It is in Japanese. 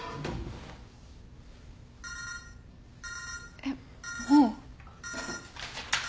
えっもう？